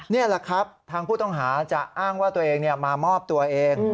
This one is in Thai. นี่แหละครับทางผู้ต้องหาจะอ้างว่าตัวเองมามอบตัวเอง